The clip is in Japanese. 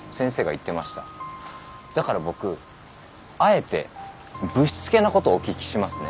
だから僕あえてぶしつけなことお聞きしますね。